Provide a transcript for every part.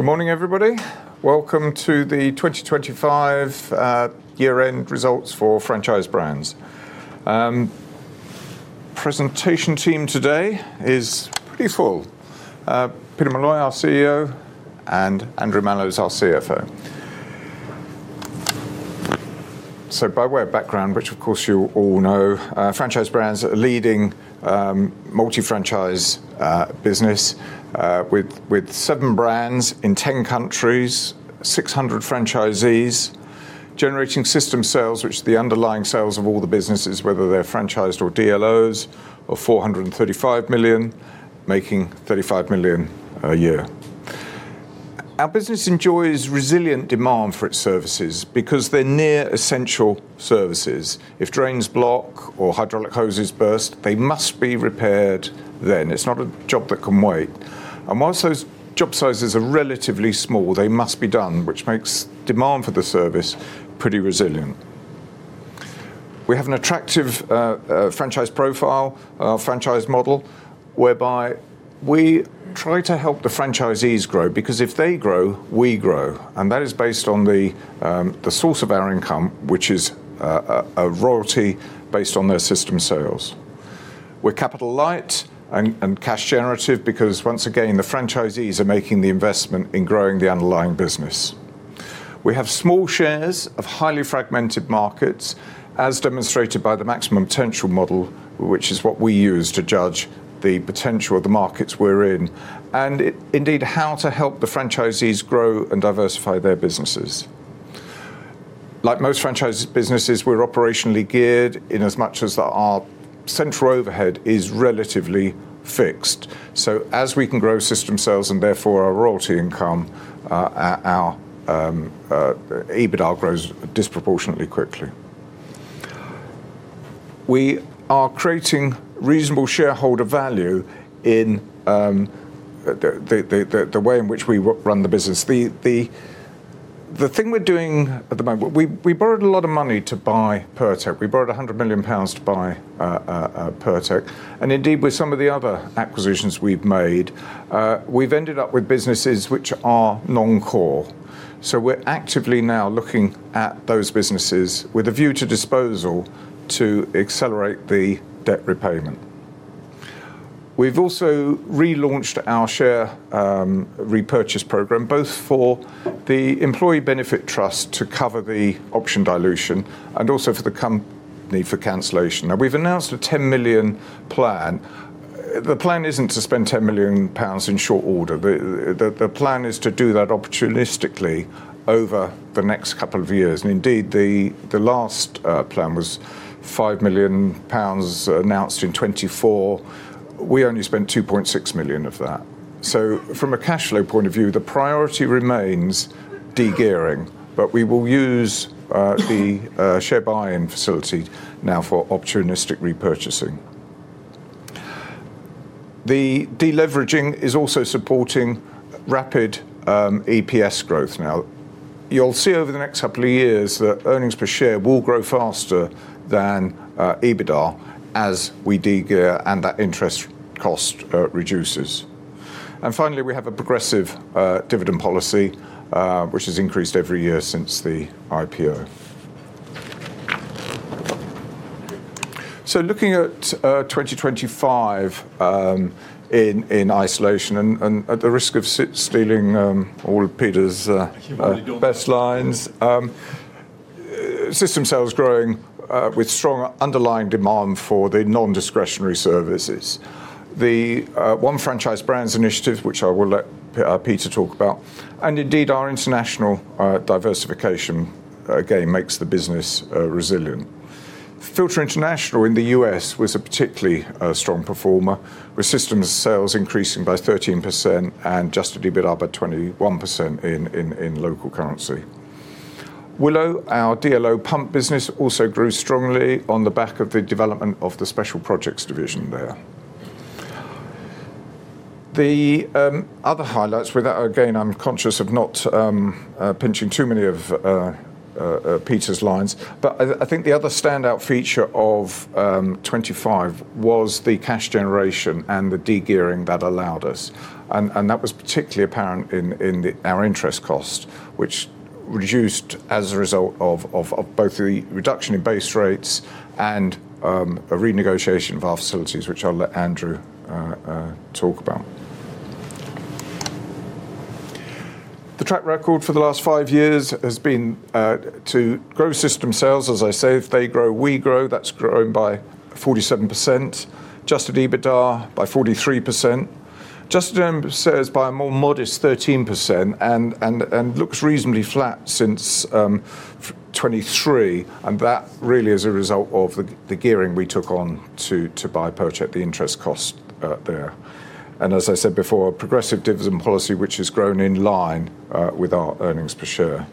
All right. Good morning, everybody. Welcome to the 2025 year-end results for Franchise Brands. Presentation team today is pretty full. Peter Molloy, our CEO, and Andrew Mallows, our CFO. By way of background, which of course you all know, Franchise Brands are a leading multi-franchise business with seven brands in 10 countries, 600 franchisees, generating system sales, which the underlying sales of all the businesses, whether they're franchised or DLOs, of 435 million, making 35 million a year. Our business enjoys resilient demand for its services because they're near essential services. If drains block or hydraulic hoses burst, they must be repaired then. It's not a job that can wait. While those job sizes are relatively small, they must be done, which makes demand for the service pretty resilient. We have an attractive franchise profile, franchise model, whereby we try to help the franchisees grow, because if they grow, we grow. That is based on the source of our income, which is a royalty based on their system sales. We're capital light and cash generative because once again, the franchisees are making the investment in growing the underlying business. We have small shares of highly fragmented markets, as demonstrated by the Maximum Potential Model, which is what we use to judge the potential of the markets we're in, and indeed, how to help the franchisees grow and diversify their businesses. Like most franchise businesses, we're operationally geared in as much as our central overhead is relatively fixed. As we can grow system sales, and therefore our royalty income, our EBITDA grows disproportionately quickly. We are creating reasonable shareholder value in the way in which we run the business. The thing we're doing at the moment, we borrowed a lot of money to buy Pirtek. We borrowed 100 million pounds to buy Pirtek. Indeed, with some of the other acquisitions we've made, we've ended up with businesses which are non-core. We're actively now looking at those businesses with a view to disposal to accelerate the debt repayment. We've also relaunched our share repurchase program, both for the employee benefit trust to cover the option dilution and also for the company for cancellation. Now, we've announced a 10 million plan. The plan isn't to spend 10 million pounds in short order. The plan is to do that opportunistically over the next couple of years. Indeed, the last plan was 5 million pounds announced in 2024. We only spent 2.6 million of that. From a cash flow point of view, the priority remains de-gearing, but we will use the share buy-in facility now for opportunistic repurchasing. The de-leveraging is also supporting rapid EPS growth now. You'll see over the next couple of years that earnings per share will grow faster than EBITDA as we de-gear and that interest cost reduces. Finally, we have a progressive dividend policy which has increased every year since the IPO. Looking at 2025 in isolation and at the risk of stealing all of Peter's best lines, system sales growing with strong underlying demand for the non-discretionary services. The One Franchise Brands initiative, which I will let Peter talk about, and indeed our international diversification, again, makes the business resilient. Filta International in the U.S. was a particularly strong performer, with systems sales increasing by 13% and adjusted EBITDA by 21% in local currency. Willow Pumps, our DLO pump business, also grew strongly on the back of the development of the Special Projects division there. The other highlights without, again, I'm conscious of not pinching too many of Peter's lines, but I think the other standout feature of 2025 was the cash generation and the de-gearing that allowed us. That was particularly apparent in our interest cost, which reduced as a result of both the reduction in base rates and a renegotiation of our facilities, which I'll let Andrew talk about. The track record for the last five years has been to grow system sales. As I say, if they grow, we grow. That's grown by 47%. Adjusted EBITDA by 43%. Adjusted earnings per share by a more modest 13% and looks reasonably flat since FY 2023, and that really is a result of the gearing we took on to buy Pirtek, the interest cost there. As I said before, progressive dividend policy, which has grown in line with our earnings per share.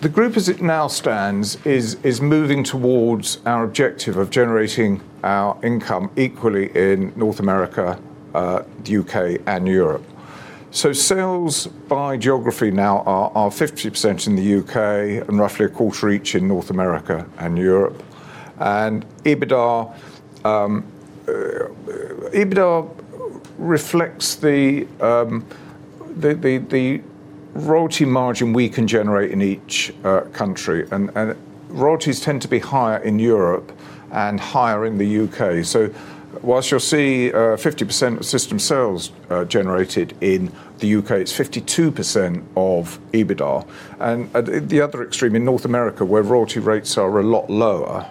The group as it now stands is moving towards our objective of generating our income equally in North America, the U.K., and Europe. Sales by geography now are 50% in the U.K. and roughly a quarter each in North America and Europe. EBITDA reflects the royalty margin we can generate in each country. Royalties tend to be higher in Europe and higher in the U.K. While you'll see 50% of system sales generated in the U.K., it's 52% of EBITDA. At the other extreme, in North America, where royalty rates are a lot lower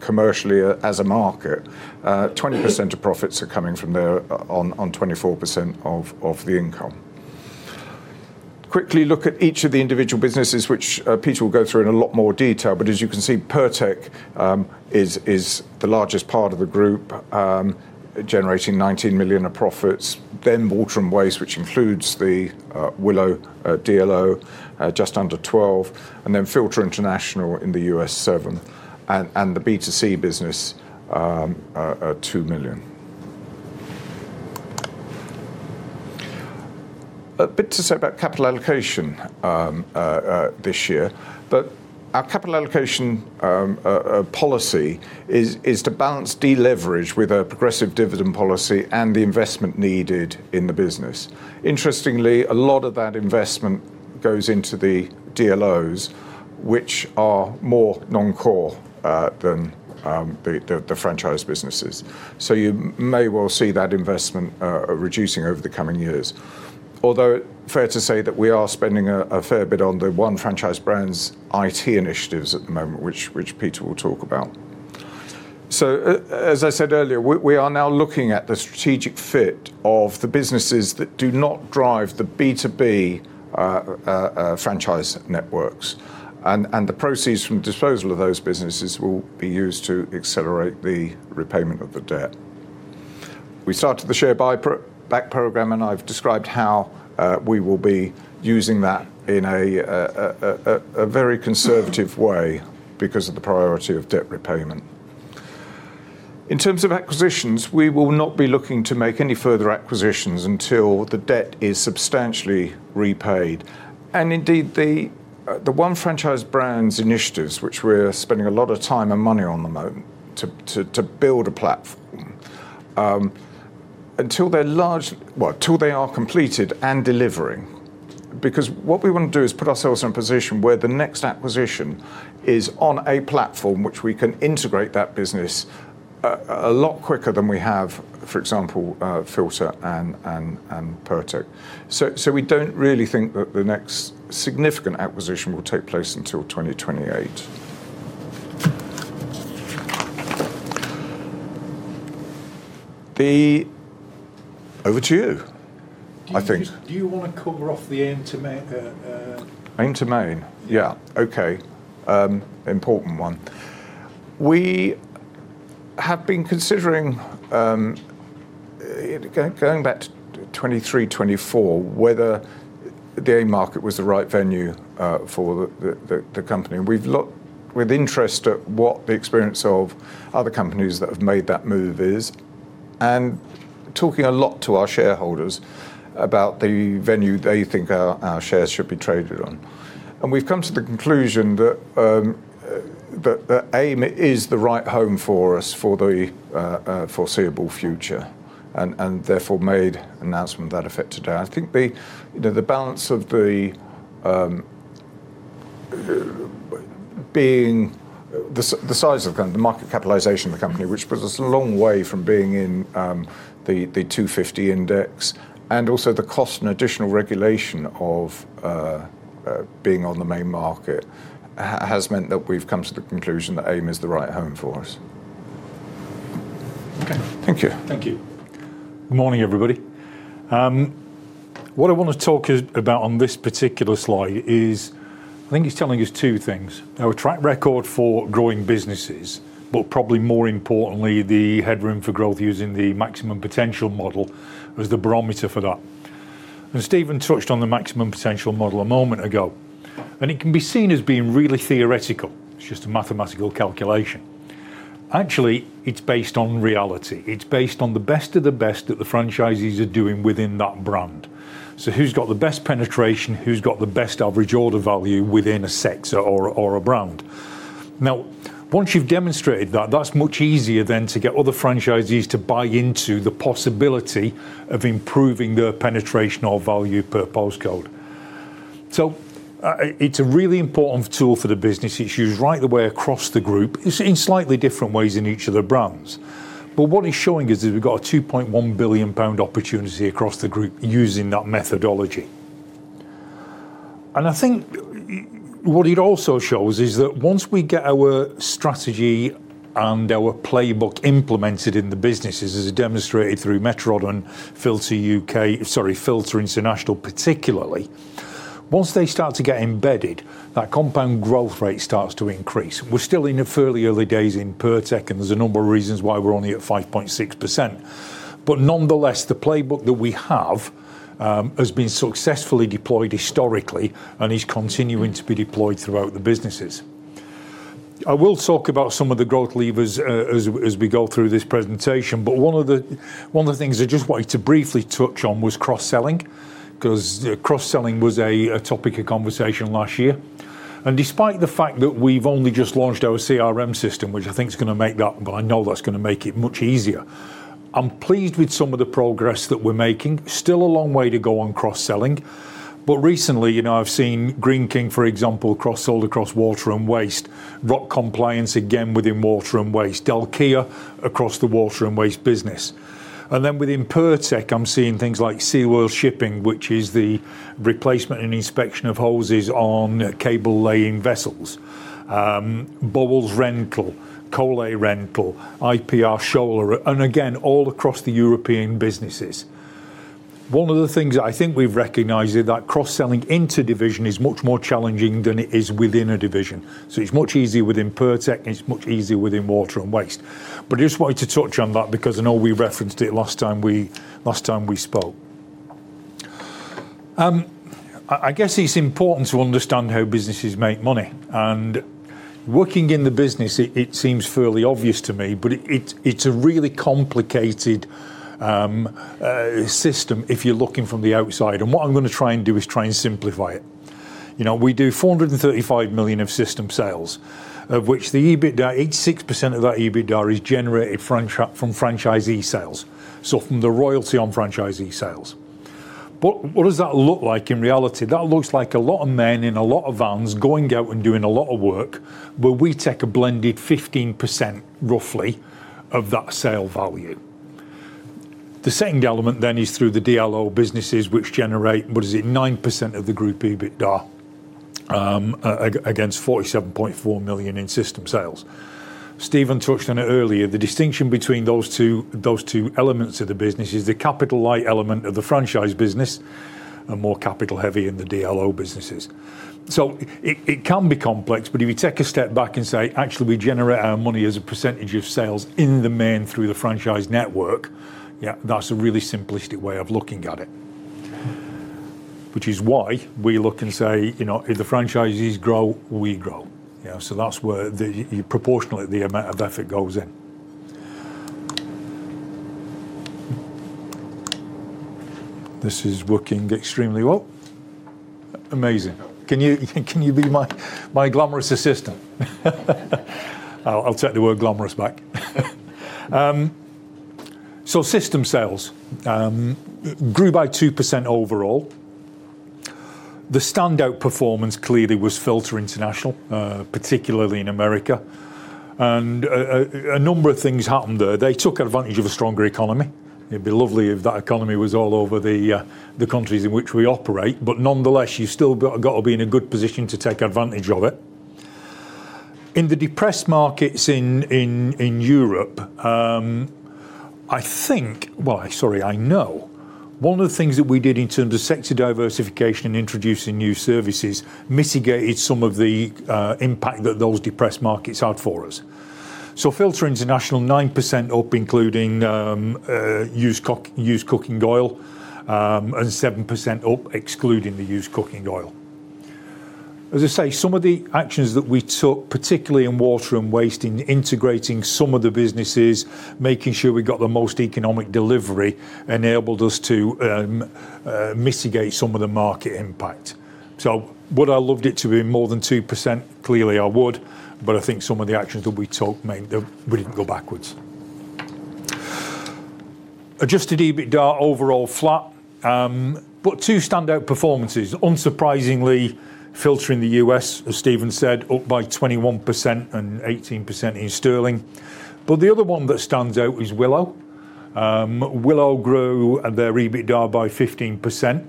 commercially as a market, 20% of profits are coming from there on 24% of the income. Quickly look at each of the individual businesses which Peter will go through in a lot more detail. As you can see, Pirtek is the largest part of the group, generating 19 million of profits. Then Water & Waste, which includes the Willow, DLO, just under 12 million, and then Filta International in the U.S., 7 million, and the B2C business at 2 million. I have a bit to say about capital allocation this year. Our capital allocation policy is to balance deleverage with a progressive dividend policy and the investment needed in the business. Interestingly, a lot of that investment goes into the DLOs, which are more non-core than the franchise businesses. You may well see that investment reducing over the coming years. Although it's fair to say that we are spending a fair bit on the One Franchise Brands IT initiatives at the moment, which Peter will talk about. As I said earlier, we are now looking at the strategic fit of the businesses that do not drive the B2B franchise networks. The proceeds from disposal of those businesses will be used to accelerate the repayment of the debt. We started the share buyback program, and I've described how we will be using that in a very conservative way because of the priority of debt repayment. In terms of acquisitions, we will not be looking to make any further acquisitions until the debt is substantially repaid. Indeed, the One Franchise Brands initiatives, which we're spending a lot of time and money on at the moment to build a platform, until they are completed and delivering. Because what we want to do is put ourselves in a position where the next acquisition is on a platform which we can integrate that business a lot quicker than we have, for example, Filta and Pirtek. So we don't really think that the next significant acquisition will take place until 2028. Over to you, I think. Do you wanna cover off the AIM to Main? AIM to Main? Yeah. Yeah. Okay. Important one. We have been considering going back to 2023, 2024, whether the AIM market was the right venue for the company. We've looked with interest at what the experience of other companies that have made that move is and talking a lot to our shareholders about the venue they think our shares should be traded on. We've come to the conclusion that AIM is the right home for us for the foreseeable future, and therefore made announcement to that effect today. I think you know the balance of the size of the company, the market capitalization of the company, which puts us a long way from being in the FTSE 250 Index, and also the cost and additional regulation of being on the Main Market has meant that we've come to the conclusion that AIM is the right home for us. Okay. Thank you. Thank you. Good morning, everybody. What I wanna talk about on this particular slide is, I think it's telling us two things. Our track record for growing businesses, but probably more importantly, the headroom for growth using the Maximum Potential Model as the barometer for that. Stephen touched on the Maximum Potential Model a moment ago, and it can be seen as being really theoretical. It's just a mathematical calculation. Actually, it's based on reality. It's based on the best of the best that the franchisees are doing within that brand. So who's got the best penetration, who's got the best average order value within a sector or a brand. Now, once you've demonstrated that's much easier to get other franchisees to buy into the possibility of improving their penetration or value per postcode. So, it's a really important tool for the business. It's used right the way across the group. It's in slightly different ways in each of the brands. What it's showing is we've got a 2.1 billion pound opportunity across the group using that methodology. I think what it also shows is that once we get our strategy and our playbook implemented in the businesses, as demonstrated through Metro Rod, Filta U.K., sorry, Filta International particularly, once they start to get embedded, that compound growth rate starts to increase. We're still in the fairly early days in Pirtek, and there's a number of reasons why we're only at 5.6%. Nonetheless, the playbook that we have has been successfully deployed historically and is continuing to be deployed throughout the businesses. I will talk about some of the growth levers, as we go through this presentation. One of the things I just wanted to briefly touch on was cross-selling, 'cause cross-selling was a topic of conversation last year. Despite the fact that we've only just launched our CRM system, which I think is gonna make that, well, I know that's gonna make it much easier, I'm pleased with some of the progress that we're making. Still a long way to go on cross-selling. Recently, you know, I've seen Greene King, for example, cross-sold across Water & Waste. Rock Compliance again within Water & Waste. Delkia across the Water & Waste business. Then within Pirtek, I'm seeing things like Seaworld Shipping, which is the replacement and inspection of hoses on cable laying vessels, Boels Rental, Cramo, IPR Scholer, and again, all across the European businesses. One of the things I think we've recognized is that cross-selling inter-division is much more challenging than it is within a division. It's much easier within Pirtek, and it's much easier within Water & Waste. I just wanted to touch on that because I know we referenced it last time we spoke. I guess it's important to understand how businesses make money, and working in the business, it's a really complicated system if you're looking from the outside. What I'm gonna try and do is try and simplify it. You know, we do 435 million of system sales, of which the EBITDA, 86% of that EBITDA is generated from franchisee sales, so from the royalty on franchisee sales. What does that look like in reality? That looks like a lot of men in a lot of vans going out and doing a lot of work where we take a blended 15%, roughly, of that sale value. The second element is through the DLO businesses which generate, what is it, 9% of the group EBITDA, against 47.4 million in system sales. Stephen touched on it earlier. The distinction between those two elements of the business is the capital light element of the franchise business and more capital heavy in the DLO businesses. It can be complex, but if you take a step back and say, "Actually, we generate our money as a percentage of sales in the main through the franchise network," yeah, that's a really simplistic way of looking at it. Which is why we look and say, you know, if the franchisees grow, we grow. You know, so that's where proportionally the amount of effort goes in. This is working extremely well. Amazing. Can you be my glamorous assistant? I'll take the word glamorous back. So system sales grew by 2% overall. The standout performance clearly was Filta International, particularly in America. And a number of things happened there. They took advantage of a stronger economy. It'd be lovely if that economy was all over the countries in which we operate, but nonetheless, you've still gotta be in a good position to take advantage of it. In the depressed markets in Europe, I think. Well, sorry, I know one of the things that we did in terms of sector diversification and introducing new services mitigated some of the impact that those depressed markets had for us. Filta International, 9% up, including used cooking oil, and 7% up, excluding the used cooking oil. As I say, some of the actions that we took, particularly in Water & Waste, in integrating some of the businesses, making sure we got the most economic delivery, enabled us to mitigate some of the market impact. Would I love it to be more than 2%? Clearly, I would, but I think some of the actions that we took meant that we didn't go backwards. Adjusted EBITDA overall flat, but two standout performances. Unsurprisingly, Filta in the U.S., as Stephen said, up by 21% and 18% in sterling. The other one that stands out is Willow. Willow grew their EBITDA by 15%.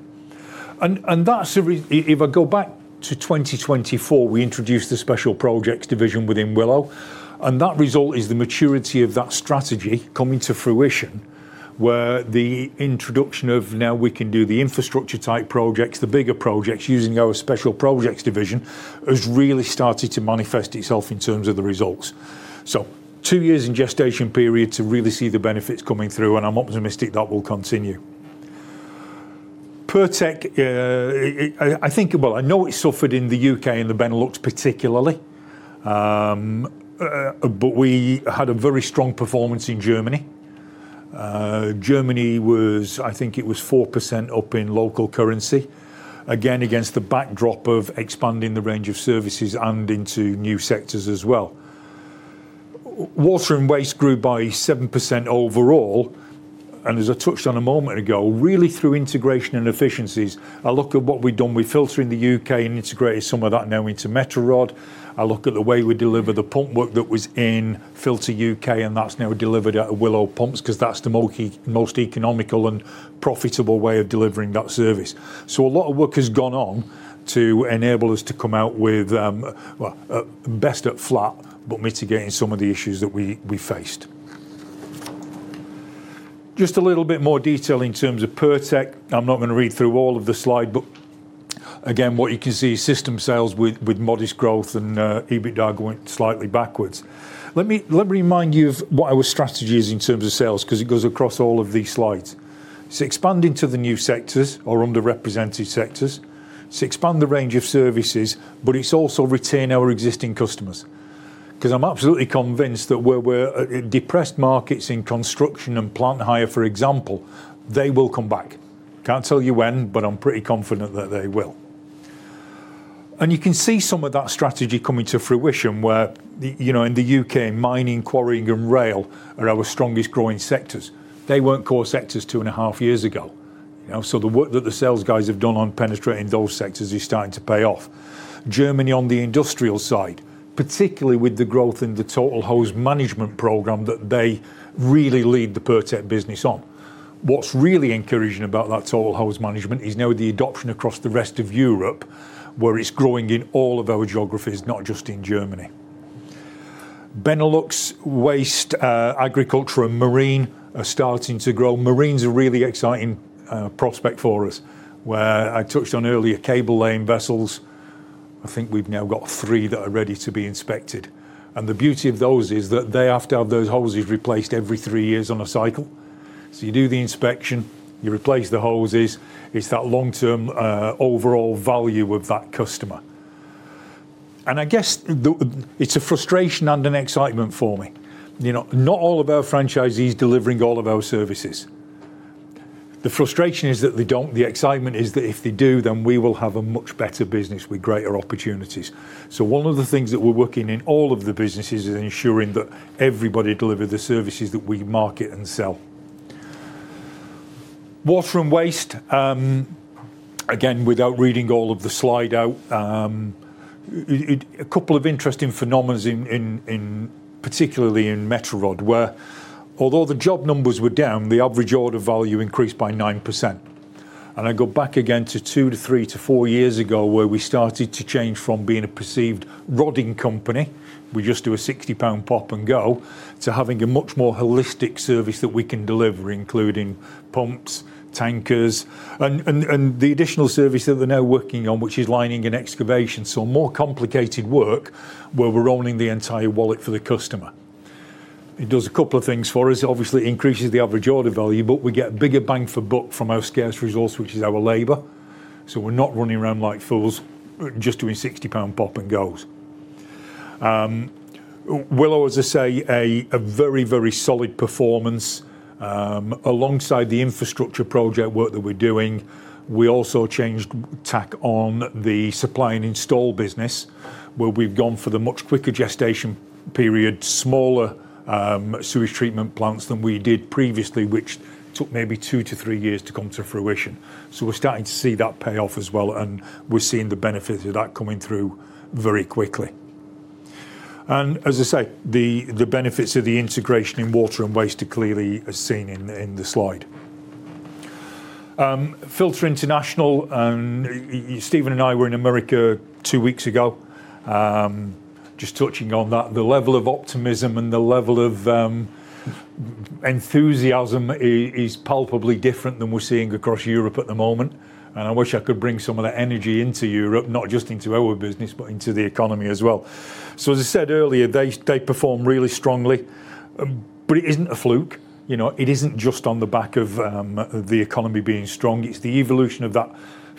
That's if I go back to 2024, we introduced a Special Projects division within Willow, and that result is the maturity of that strategy coming to fruition, where the introduction of now we can do the infrastructure type projects, the bigger projects, using our Special Projects division, has really started to manifest itself in terms of the results. Two years in gestation period to really see the benefits coming through, and I'm optimistic that will continue. Pirtek, I think well, I know it suffered in the U.K. and the Benelux particularly, but we had a very strong performance in Germany. Germany was, I think it was 4% up in local currency, again, against the backdrop of expanding the range of services and into new sectors as well. Water & Waste grew by 7% overall, and as I touched on a moment ago, really through integration and efficiencies. I look at what we've done with Filta in the U.K. and integrated some of that now into Metro Rod. I look at the way we deliver the pump work that was in Filta UK, and that's now delivered out of Willow Pumps because that's the most economical and profitable way of delivering that service. A lot of work has gone on to enable us to come out with best at flat, but mitigating some of the issues that we faced. Just a little bit more detail in terms of Pirtek. I'm not gonna read through all of the slide, but again, what you can see, system sales with modest growth and EBITDA going slightly backwards. Let me remind you of what our strategy is in terms of sales, because it goes across all of these slides. It's expanding to the new sectors or underrepresented sectors, it's expand the range of services, but it's also retain our existing customers. Because I'm absolutely convinced that where we're depressed markets in construction and plant hire, for example, they will come back. Can't tell you when, but I'm pretty confident that they will. You can see some of that strategy coming to fruition where the, you know, in the U.K., mining, quarrying and rail are our strongest growing sectors. They weren't core sectors two and a half years ago. You know, the work that the sales guys have done on penetrating those sectors is starting to pay off. Germany, on the industrial side, particularly with the growth in the Total Hose Management program that they really lead the Pirtek business on. What's really encouraging about that Total Hose Management is now the adoption across the rest of Europe, where it's growing in all of our geographies, not just in Germany. Benelux waste, agriculture and marine are starting to grow. Marine's a really exciting prospect for us, where I touched on earlier cable laying vessels. I think we've now got three that are ready to be inspected. The beauty of those is that they have to have those hoses replaced every three years on a cycle. You do the inspection, you replace the hoses. It's that long-term overall value of that customer. I guess it's a frustration and an excitement for me. You know, not all of our franchisees delivering all of our services. The frustration is that they don't. The excitement is that if they do, then we will have a much better business with greater opportunities. One of the things that we're working in all of the businesses is ensuring that everybody deliver the services that we market and sell. Water & Waste, again, without reading all of the slide out, a couple of interesting phenomena particularly in Metro Rod, where although the job numbers were down, the average order value increased by 9%. I go back again to two to three to four years ago where we started to change from being a perceived rodding company. We just do a 60 pound pop and go to having a much more holistic service that we can deliver, including pumps, tankers and the additional service that they're now working on, which is lining and excavation. More complicated work where we're owning the entire wallet for the customer. It does a couple of things for us. Obviously, it increases the average order value, but we get bigger bang for buck from our scarce resource, which is our labor. We're not running around like fools just doing 60 pound pop and goes. Willow, as I say, a very solid performance. Alongside the infrastructure project work that we're doing, we also changed tack on the supply and install business, where we've gone for the much quicker gestation period, smaller sewage treatment plants than we did previously, which took maybe two to three years to come to fruition. We're starting to see that pay off as well, and we're seeing the benefits of that coming through very quickly. As I say, the benefits of the integration in Water & Waste are clearly as seen in the slide. Filta International, and Stephen and I were in America two weeks ago. Just touching on that, the level of optimism and the level of enthusiasm is palpably different than we're seeing across Europe at the moment. I wish I could bring some of that energy into Europe, not just into our business, but into the economy as well. As I said earlier, they perform really strongly, but it isn't a fluke. You know, it isn't just on the back of the economy being strong. It's the evolution of that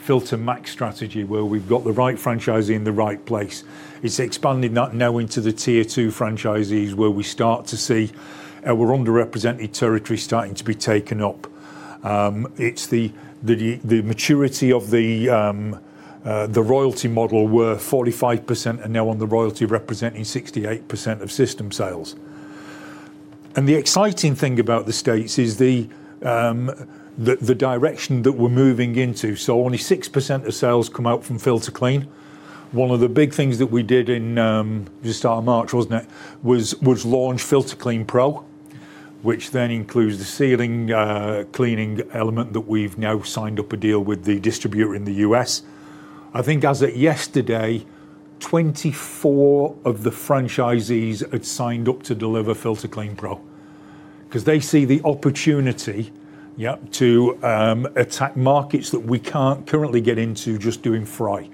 FiltaMax strategy, where we've got the right franchisee in the right place. It's expanding that now into the tier two franchisees, where we start to see our underrepresented territory starting to be taken up. It's the maturity of the royalty model where 45% are now on the royalty representing 68% of system sales. The exciting thing about the States is the direction that we're moving into. Only 6% of sales come out from FiltaClean. One of the big things that we did in just starting March, wasn't it? Was launch FiltaClean Pro, which then includes the ceiling cleaning element that we've now signed a deal with the distributor in the U.S. I think as of yesterday, 24 of the franchisees had signed up to deliver FiltaClean Pro because they see the opportunity, yeah, to attack markets that we can't currently get into just doing fry.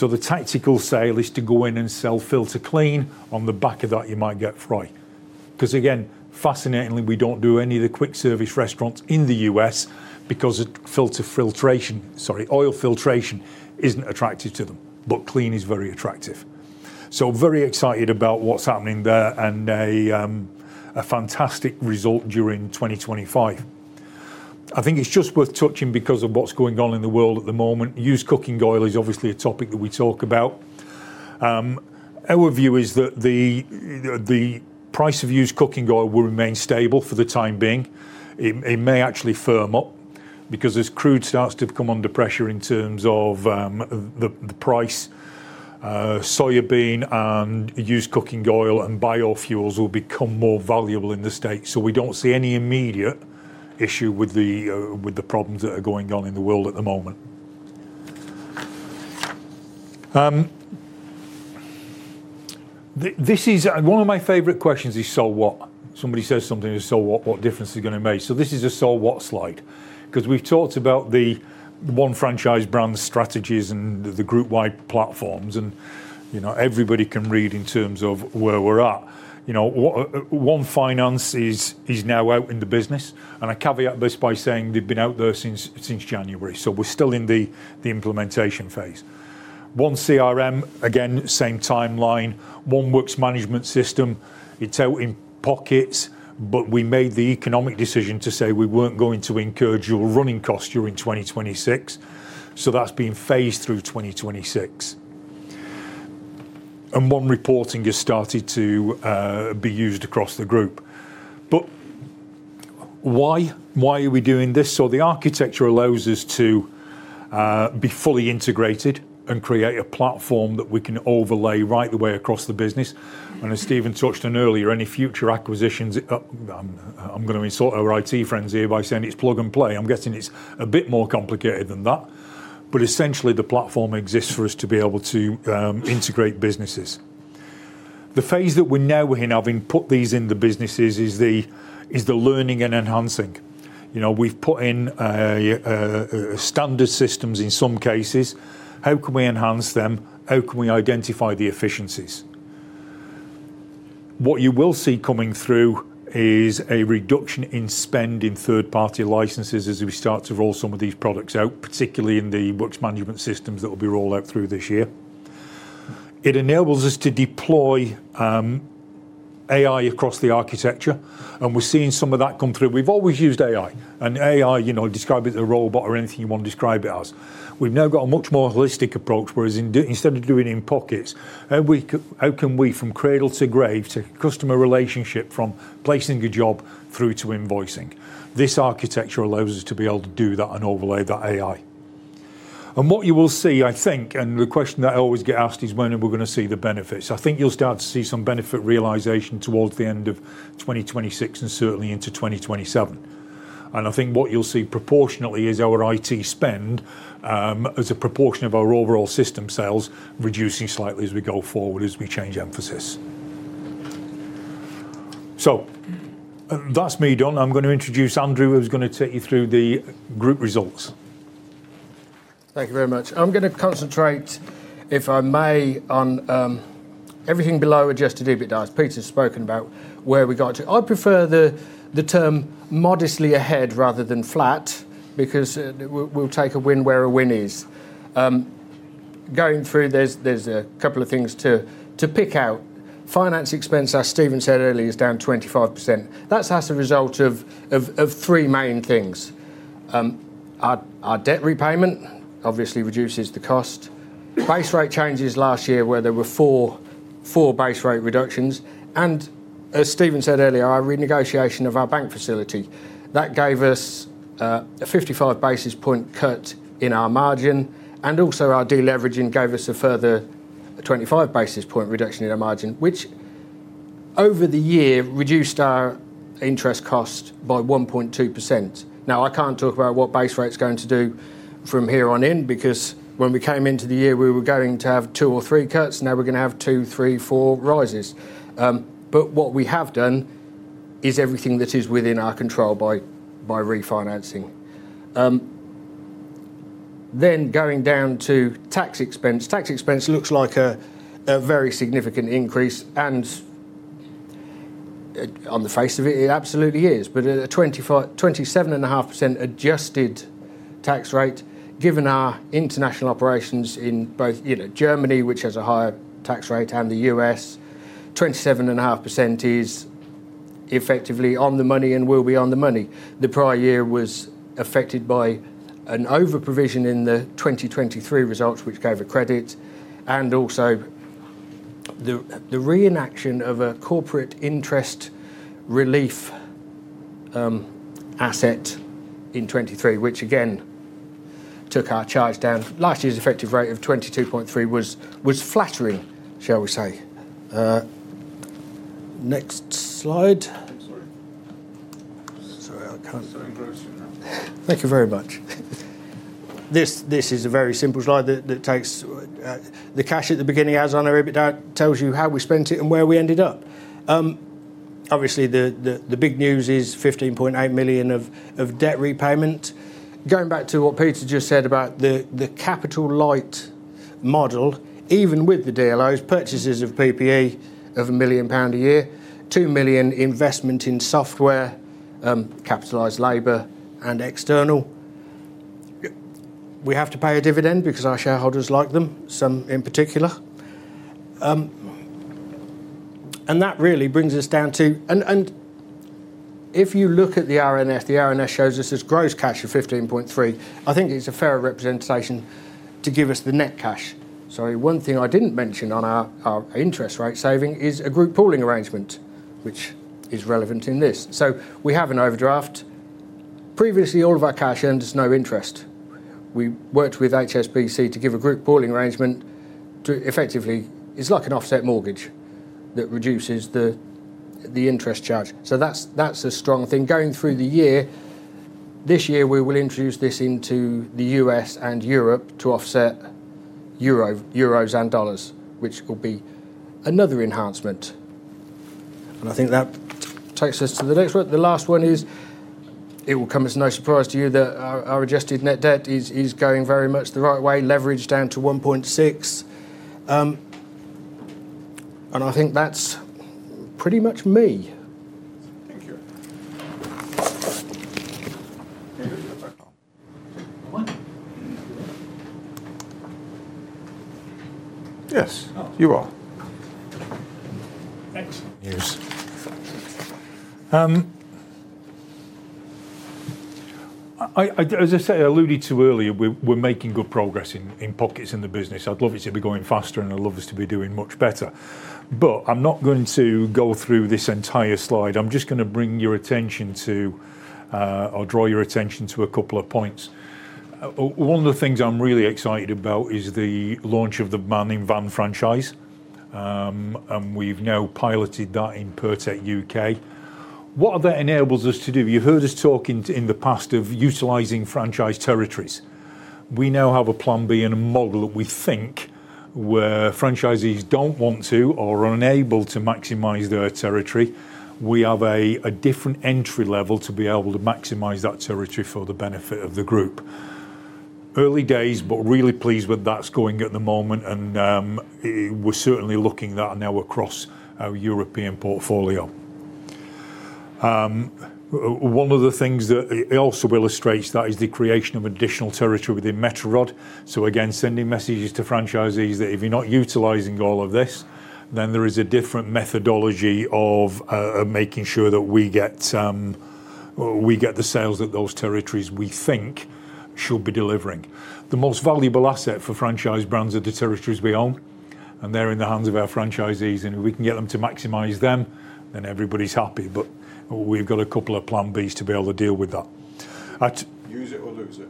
The tactical sale is to go in and sell FiltaClean. On the back of that, you might get fry. Because again, fascinatingly, we don't do any of the quick service restaurants in the U.S. because oil filtration isn't attractive to them, but clean is very attractive. Very excited about what's happening there and a fantastic result during 2025. I think it's just worth touching because of what's going on in the world at the moment. Used cooking oil is obviously a topic that we talk about. Our view is that the price of used cooking oil will remain stable for the time being. It may actually firm up because as crude starts to come under pressure in terms of the price, soybean and used cooking oil and biofuels will become more valuable in the States. We don't see any immediate issue with the problems that are going on in the world at the moment. This is one of my favorite questions is so what? Somebody says something, so what difference is it gonna make? This is a so-what slide because we've talked about the One Franchise Brands strategies and the group-wide platforms and, you know, everybody can read in terms of where we're at. You know, One Finance is now out in the business. I caveat this by saying they've been out there since January. We're still in the implementation phase. One CRM, again, same timeline. One Works Management System. It's out in pockets, but we made the economic decision to say we weren't going to incur dual running costs during 2026. That's been phased through 2026. One Reporting has started to be used across the group. Why are we doing this? The architecture allows us to be fully integrated and create a platform that we can overlay right the way across the business. As Stephen touched on earlier, any future acquisitions, I'm gonna insult our IT friends here by saying it's plug and play. I'm guessing it's a bit more complicated than that. Essentially, the platform exists for us to be able to integrate businesses. The phase that we're now in of having put these in the businesses is the learning and enhancing. You know, we've put in standard systems in some cases. How can we enhance them? How can we identify the efficiencies? What you will see coming through is a reduction in spend in third-party licenses as we start to roll some of these products out, particularly in the works management systems that will be rolled out through this year. It enables us to deploy AI across the architecture, and we're seeing some of that come through. We've always used AI, you know, describe it as a robot or anything you want to describe it as. We've now got a much more holistic approach, whereas instead of doing it in pockets, how can we, from cradle to grave, to customer relationship, from placing a job through to invoicing? This architecture allows us to be able to do that and overlay that AI. What you will see, I think, and the question that I always get asked is, when are we gonna see the benefits? I think you'll start to see some benefit realization towards the end of 2026, and certainly into 2027. I think what you'll see proportionately is our IT spend as a proportion of our overall system sales reducing slightly as we go forward, as we change emphasis. That's me done. I'm gonna introduce Andrew, who's gonna take you through the group results. Thank you very much. I'm gonna concentrate, if I may, on everything below adjusted EBITDA. Peter's spoken about where we got to. I prefer the term modestly ahead rather than flat because we'll take a win where a win is. Going through, there's a couple of things to pick out. Finance expense, as Stephen said earlier, is down 25%. That's as a result of three main things. Our debt repayment obviously reduces the cost. Base rate changes last year, where there were 4 base rate reductions, and as Stephen said earlier, our renegotiation of our bank facility. That gave us a 55 basis point cut in our margin, and also our de-leveraging gave us a further 25 basis point reduction in our margin, which over the year reduced our interest cost by 1.2%. I can't talk about what base rate's going to do from here on in, because when we came into the year, we were going to have two cuts or three cuts. Now we're gonna have two, three, four rises. What we have done is everything that is within our control by refinancing. Then going down to tax expense. Tax expense looks like a very significant increase and, on the face of it absolutely is. At a 27.5% adjusted tax rate, given our international operations in both, you know, Germany, which has a higher tax rate, and the U.S., 27.5% is effectively on the money and will be on the money. The prior year was affected by an overprovision in the 2023 results, which gave a credit, and also the reenactment of a corporate interest relief asset in 2023, which again took our charge down. Last year's effective rate of 22.3% was flattering, shall we say. Next slide. Sorry. Sorry, I can't- It's all right. Slower now. Thank you very much. This is a very simple slide that takes the cash at the beginning, based on our EBITDA, tells you how we spent it and where we ended up. Obviously the big news is 15.8 million of debt repayment. Going back to what Peter just said about the capital light model, even with the DLOs, purchases of PPE of 1 million pound a year, 2 million investment in software, capitalized labor and external. We have to pay a dividend because our shareholders like them, some in particular. That really brings us down to. If you look at the RNS, the RNS shows us this gross cash of 15.3 million. I think it's a fair representation to give us the net cash. Sorry. One thing I didn't mention on our interest rate saving is a group pooling arrangement, which is relevant in this. We have an overdraft. Previously, all of our cash earned us no interest. We worked with HSBC to give a group pooling arrangement to effectively. It's like an offset mortgage that reduces the interest charge. That's a strong thing. Going through the year, this year we will introduce this into the U.S. and Europe to offset euros and dollars, which will be another enhancement. I think that takes us to the next one. The last one is, it will come as no surprise to you that our adjusted net debt is going very much the right way, leverage down to 1.6x. I think that's pretty much me. Yes, you are. Excellent. Yes. I, as I say, I alluded to earlier, we're making good progress in pockets in the business. I'd love it to be going faster, and I'd love us to be doing much better. I'm not going to go through this entire slide. I'm just gonna bring your attention to or draw your attention to a couple of points. One of the things I'm really excited about is the launch of the Man-in-a-Van franchise. And we've now piloted that in Pirtek U.K. What that enables us to do, you heard us talk in the past of utilizing franchise territories. We now have a plan B and a model that we think where franchisees don't want to or are unable to maximize their territory. We have a different entry level to be able to maximize that territory for the benefit of the group. Early days, but really pleased with that's going at the moment, and we're certainly looking at that now across our European portfolio. One of the things that it also illustrates that is the creation of additional territory within Metro Rod. Again, sending messages to franchisees that if you're not utilizing all of this, then there is a different methodology of making sure that we get the sales that those territories we think should be delivering. The most valuable asset for Franchise Brands are the territories we own, and they're in the hands of our franchisees. If we can get them to maximize them, then everybody's happy. We've got a couple of plan Bs to be able to deal with that. Use it or lose it.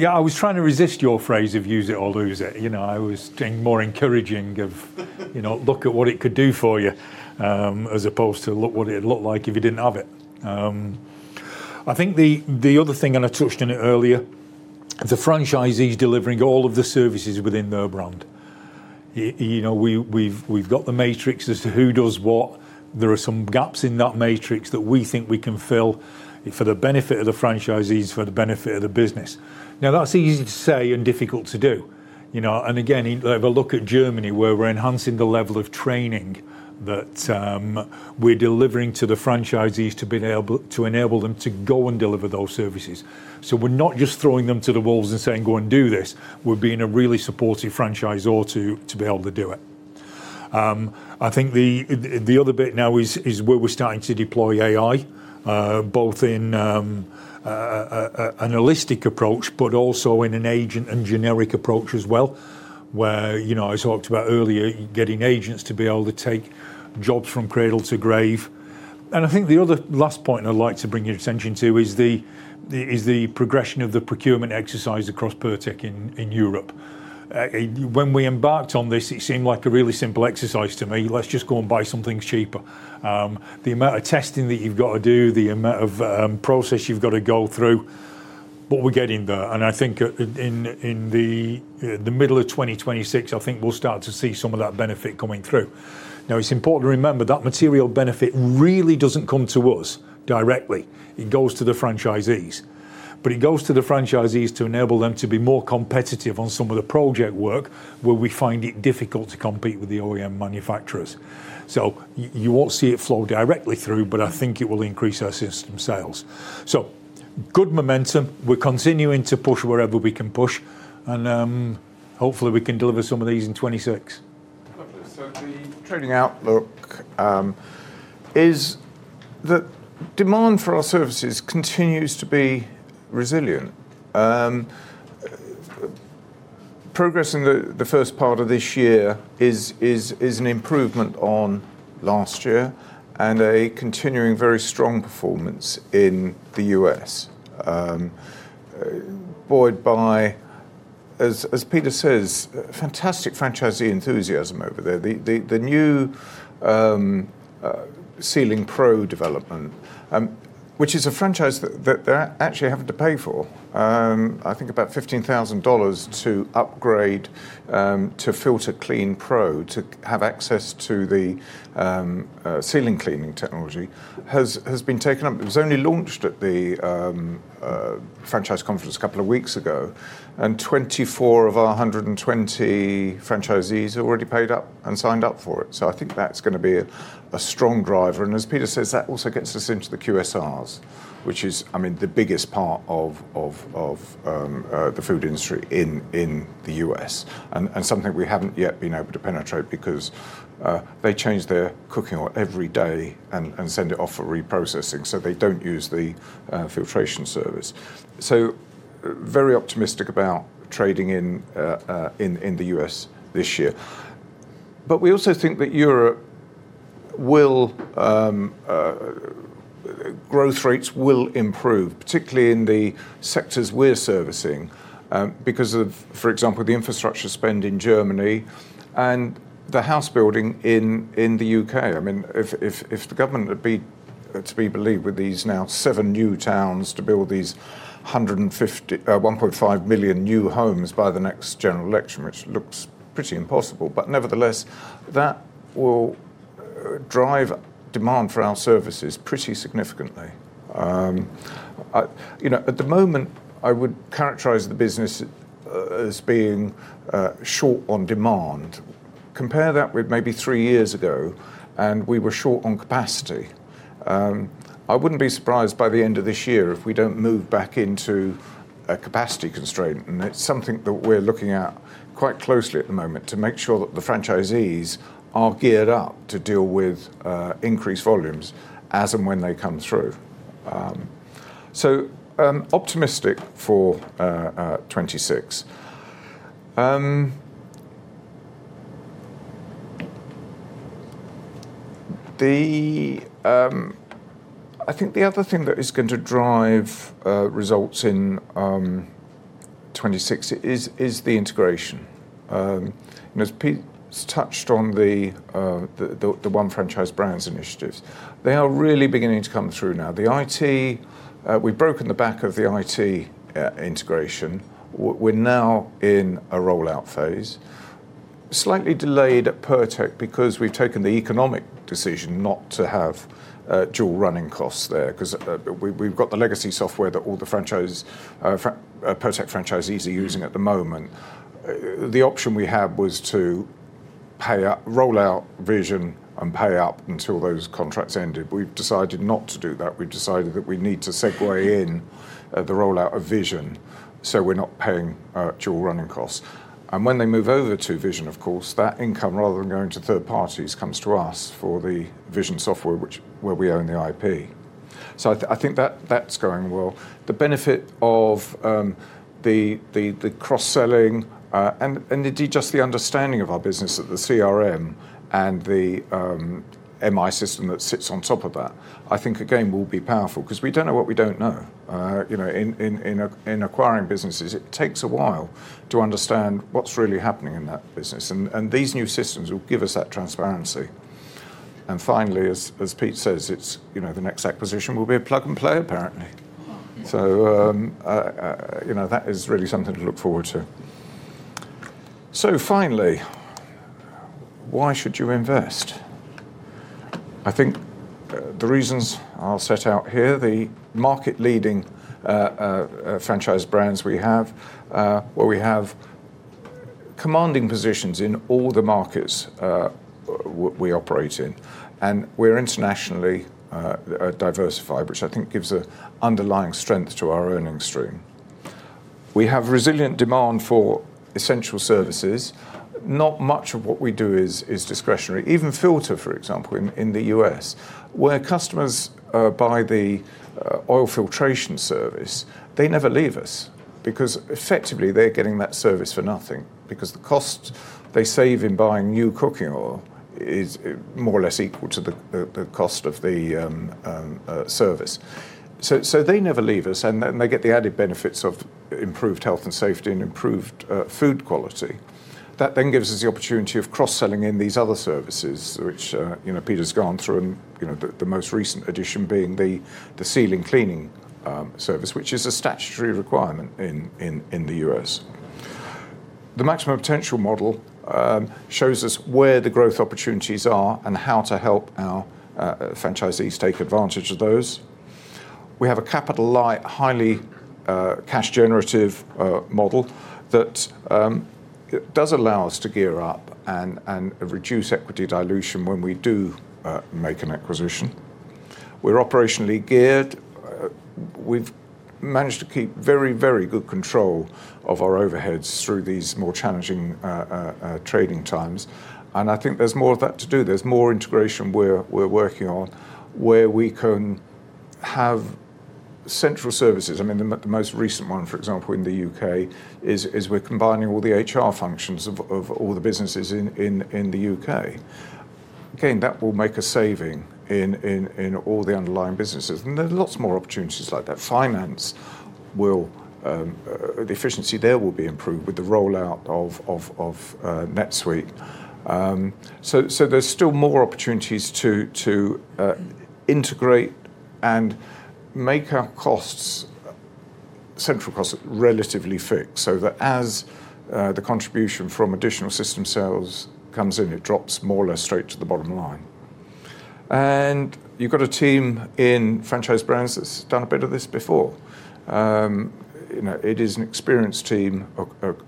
Yeah, I was trying to resist your phrase of use it or lose it. You know, I was being more encouraging of, you know, look at what it could do for you, as opposed to look what it'd look like if you didn't have it. I think the other thing, and I touched on it earlier, the franchisees delivering all of the services within their brand. You know, we've got the matrix as to who does what. There are some gaps in that matrix that we think we can fill for the benefit of the franchisees, for the benefit of the business. Now, that's easy to say and difficult to do, you know. Again, if you have a look at Germany, where we're enhancing the level of training that we're delivering to the franchisees to be able to enable them to go and deliver those services. So we're not just throwing them to the wolves and saying, "Go and do this." We're being a really supportive franchisor to be able to do it. I think the other bit now is where we're starting to deploy AI both in a analytical approach, but also in an agent and generic approach as well, where you know I talked about earlier getting agents to be able to take jobs from cradle to grave. I think the other last point I'd like to bring your attention to is the progression of the procurement exercise across Pirtek in Europe. When we embarked on this, it seemed like a really simple exercise to me. Let's just go and buy some things cheaper. The amount of testing that you've got to do, the amount of process you've got to go through, we're getting there. I think in the middle of 2026, we'll start to see some of that benefit coming through. Now, it's important to remember that material benefit really doesn't come to us directly. It goes to the franchisees. It goes to the franchisees to enable them to be more competitive on some of the project work where we find it difficult to compete with the OEM manufacturers. You won't see it flow directly through, but I think it will increase our system sales. Good momentum. We're continuing to push wherever we can push, and hopefully, we can deliver some of these in 2026. Lovely. The trading outlook is that demand for our services continues to be resilient. Progress in the first part of this year is an improvement on last year and a continuing very strong performance in the U.S., buoyed by, as Peter says, fantastic franchisee enthusiasm over there. The new Ceiling Pro development, which is a franchise that they're actually having to pay for, I think about $15,000 to upgrade to FiltaClean Pro to have access to the ceiling cleaning technology, has been taken up. It was only launched at the franchise conference a couple of weeks ago, and 24 of our 120 franchisees have already paid up and signed up for it. I think that's gonna be a strong driver. As Peter says, that also gets us into the QSRs, which is, I mean, the biggest part of the food industry in the U.S., and something we haven't yet been able to penetrate because they change their cooking oil every day and send it off for reprocessing, so they don't use the filtration service. Very optimistic about trading in the U.S. this year. We also think that growth rates in Europe will improve, particularly in the sectors we're servicing, because of, for example, the infrastructure spend in Germany and the house building in the U.K. I mean, if the government are to be believed with these now seven new towns to build these 1.5 million new homes by the next general election, which looks pretty impossible. Nevertheless, that will drive demand for our services pretty significantly. You know, at the moment, I would characterize the business as being short on demand. Compare that with maybe three years ago, and we were short on capacity. I wouldn't be surprised by the end of this year if we don't move back into a capacity constraint, and it's something that we're looking at quite closely at the moment to make sure that the franchisees are geared up to deal with increased volumes as and when they come through. Optimistic for 2026. I think the other thing that is going to drive results in 2026 is the integration. As Pete's touched on the One Franchise Brands initiatives, they are really beginning to come through now. The IT we've broken the back of the IT integration. We're now in a rollout phase, slightly delayed at Pirtek because we've taken the economic decision not to have dual running costs there 'cause we've got the legacy software that all the Pirtek franchisees are using at the moment. The option we had was to roll out Vision and pay up until those contracts ended. We've decided not to do that. We've decided that we need to segue in the rollout of Vision, so we're not paying dual running costs. When they move over to Vision, of course, that income, rather than going to third parties, comes to us for the Vision software which, where we own the IP. I think that's going well. The benefit of the cross-selling and indeed just the understanding of our business at the CRM and the MI system that sits on top of that, I think again will be powerful 'cause we don't know what we don't know. You know, in acquiring businesses, it takes a while to understand what's really happening in that business, and these new systems will give us that transparency. Finally, as Pete says, you know, the next acquisition will be a plug-and-play apparently. You know, that is really something to look forward to. Finally, why should you invest? I think the reasons are set out here, the market-leading franchise brands we have, where we have commanding positions in all the markets we operate in, and we're internationally diversified, which I think gives an underlying strength to our earnings stream. We have resilient demand for essential services. Not much of what we do is discretionary. Even Filta, for example, in the U.S., where customers buy the oil filtration service, they never leave us because effectively they're getting that service for nothing because the cost they save in buying new cooking oil is more or less equal to the cost of the service. They never leave us, and then they get the added benefits of improved health and safety and improved food quality. That then gives us the opportunity of cross-selling in these other services, which, you know, Peter's gone through and, you know, the most recent addition being the ceiling cleaning service, which is a statutory requirement in the U.S. The Maximum Potential Model shows us where the growth opportunities are and how to help our franchisees take advantage of those. We have a capital light, highly cash generative model that does allow us to gear up and reduce equity dilution when we do make an acquisition. We're operationally geared. We've managed to keep very good control of our overheads through these more challenging trading times, and I think there's more of that to do. There's more integration we're working on where we can have central services. I mean, the most recent one, for example, in the U.K. is we're combining all the HR functions of all the businesses in the U.K. Again, that will make a saving in all the underlying businesses, and there are lots more opportunities like that. Finance will, the efficiency there will be improved with the rollout of NetSuite. So there's still more opportunities to integrate and make our costs, central costs, relatively fixed so that as the contribution from additional system sales comes in, it drops more or less straight to the bottom line. You've got a team in Franchise Brands that's done a bit of this before. You know, it is an experienced team